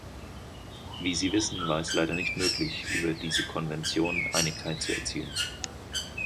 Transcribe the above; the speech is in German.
Wie Sie wissen, war es leider nicht möglich, über diese Konvention Einigkeit zu erzielen.